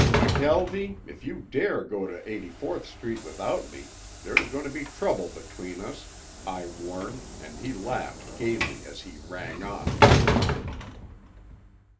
"McKelvie, if you dare to go to 84th Street without me, there's going to be trouble between us," I warned and he laughed gayly as he rang off.